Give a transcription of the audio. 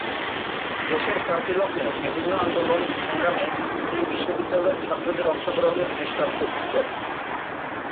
দেশের ক্রান্তি লগ্নে বিভিন্ন আন্দোলন সংগ্রামে এই বিদ্যালয়ের ছাত্রদের অংশগ্রহণের দৃষ্টান্ত উজ্জল।